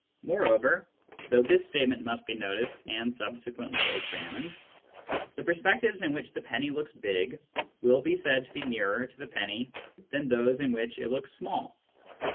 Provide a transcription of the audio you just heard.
Moreover — ^though this statement must be noticed and subsequently examined — the perspectives in which the penny looks big will be said to be nearer to the penny than those in which it looks small.